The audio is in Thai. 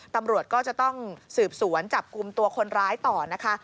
ตำรวจก็จะต้องสืบสวนจับกลุ่มตัวคนร้ายต่อนะคะ